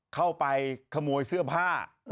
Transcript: เข้าไปขโมยเสื้อผ้า